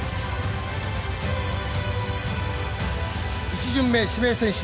１巡目指名選手。